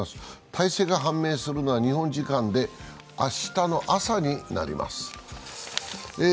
大勢が判明するのは日本時間で明日の朝になります。